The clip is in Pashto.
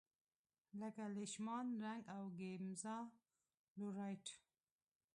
لکه لیشمان رنګ او ګیمزا لو رایټ.